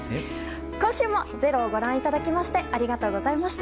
今週も「ｚｅｒｏ」にご覧いただきましてありがとうございました。